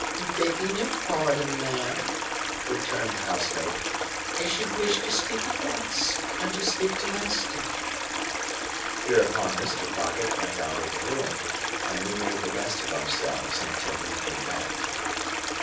"Begging your pardon, ma'am," returned the housemaid, "I should wish to speak at once, and to speak to master." Hereupon, Mr. Pocket went out of the room, and we made the best of ourselves until he came back.